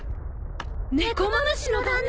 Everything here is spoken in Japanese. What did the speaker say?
ネコマムシの旦那！